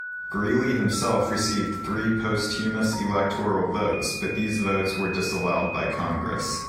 Greeley himself received three posthumous electoral votes, but these votes were disallowed by Congress.